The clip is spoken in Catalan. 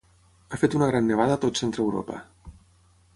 Ha fet una gran nevada a tot Centreeuropa.